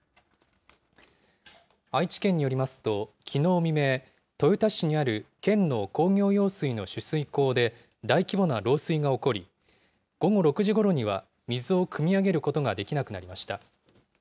愛知県によりますと、きのう未明、豊田市にある県の工業用水の取水口で大規模な漏水が起こり、午後６時ごろには、水をくみ上げることができなくなりました。